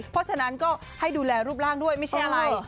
เพราะฉะนั้นก็ให้ดูแลรูปร่างด้วยไม่ใช่อะไร